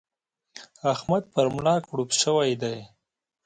احمد پر ملا کړوپ شوی دی.